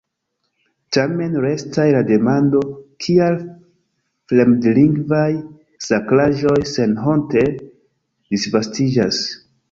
Tamen restas la demando, kial fremdlingvaj sakraĵoj senhonte disvastiĝas.